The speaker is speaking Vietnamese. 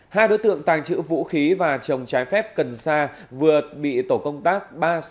hai đối tượng tàng trữ vũ khí và trồng trái phép cần sa vừa bị tổ công tác ba trăm sáu mươi ba